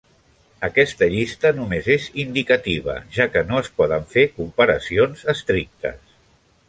Aquesta llista només és indicativa, ja que no es poden fer comparacions estrictes.